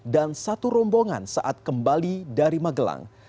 dan satu rombongan saat kembali dari magelang